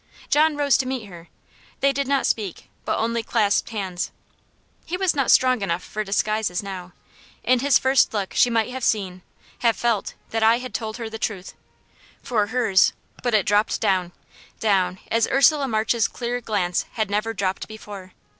John rose to meet her. They did not speak, but only clasped hands. He was not strong enough for disguises now in his first look she might have seen, have felt, that I had told her the truth. For hers but it dropped down, down, as Ursula March's clear glance had never dropped before.